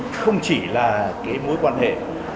không chỉ là mối quan hệ